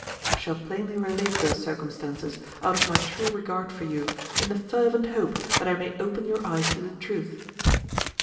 I shall plainly relate those circumstances, out of my true regard for you, in the fervent hope that I may open your eyes to the truth.